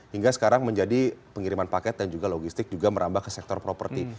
hingga sekarang menjadi pengiriman paket dan juga logistik juga merambah ke sektor properti